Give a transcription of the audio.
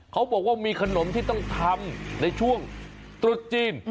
เขาบอกว่ามีขนมที่ต้องทำในช่วงตรุษจีน